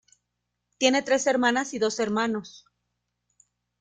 Tiene tres hermanas y dos hermanos.